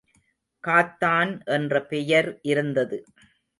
காத்தான் என்ற பெயர் இருந்தது.